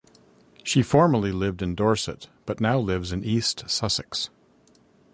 She formerly lived in Dorset but now lives in East Sussex.